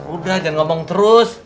udah jangan ngomong terus